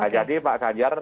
nah jadi pak ganjar